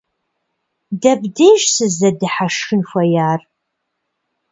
Дэбдеж сыздэдыхьэшхын хуеяр?